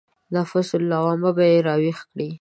نفس لوامه به يې راويښ شي.